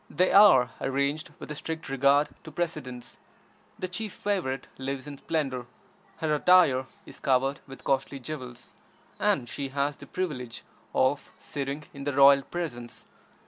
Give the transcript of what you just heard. They are arranged with a strict regard to precedence. The chief favorite lives in splendor, her attire is covered with costly jewels, and she has the privilege of sitting in the royal presence.